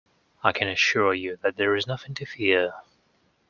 I can assure you that there is nothing to fear